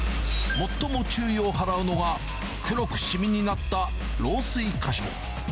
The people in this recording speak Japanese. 最も注意を払うのが、黒く染みになった漏水箇所。